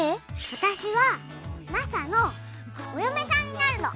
私はマサのお嫁さんになるの！